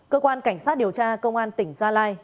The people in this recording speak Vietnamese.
cơ quan cảnh sát điều tra công an tỉnh gia lai